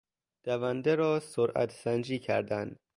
دونده را سرعت سنجی کردن